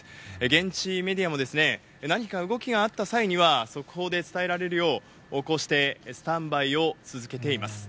現地メディアも、何か動きがあった際には、速報で伝えられるよう、こうしてスタンバイを続けています。